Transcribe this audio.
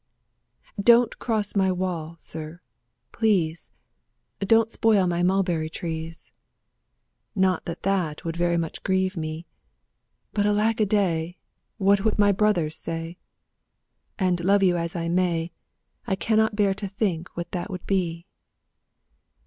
Don't cross my wall, sir, please! Don't spoil my mulberry trees! Not that that would very much grieve me ; But alack a day! what would my brothers say? And love you as I may, I cannot bear to think what that would be.